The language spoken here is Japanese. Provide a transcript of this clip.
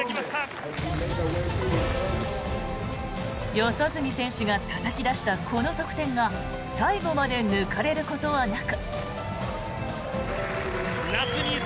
四十住選手がたたき出したこの得点が最後まで抜かれることはなく。